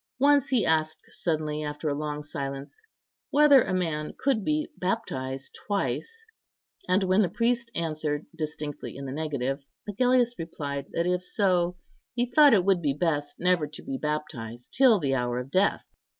Once he asked suddenly, after a long silence, whether a man could be baptized twice; and when the priest answered distinctly in the negative, Agellius replied that if so, he thought it would be best never to be baptized till the hour of death.